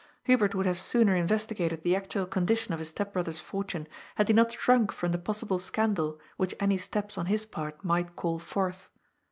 Hubert would have sooner inyestigated the actual condition of his step brother's fortune, had he not shrunk from the possible scandal which any steps on his part might call forth.